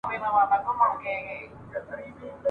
له سهاره ترماښامه به پر کار وو `